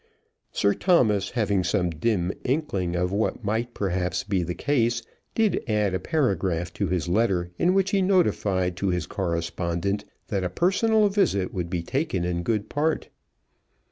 Sir Thomas, having some dim inkling of what perhaps might be the case, did add a paragraph to his letter in which he notified to his correspondent that a personal visit would be taken in good part.